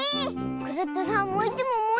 クルットさんもういちもんもういちもん！